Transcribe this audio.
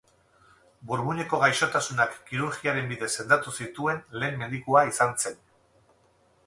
Burmuineko gaixotasunak kirurgiaren bidez sendatu zituen lehen medikua izan zen.